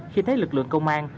khi thấy lực lượng công an